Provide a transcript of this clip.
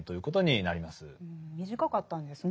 短かったんですね。